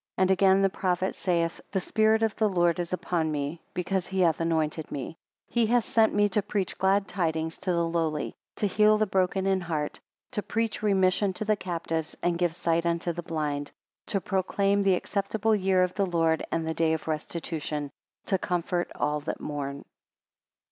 And again the prophet saith The spirit of the Lord is upon me, because he hath anointed me: he hath sent me to preach glad tidings to the lowly; to heal the broken in heart; to preach remission to the captives, and give sight unto the blind; to proclaim the acceptable year of the Lord, and the day of restitution; to comfort all that mourn.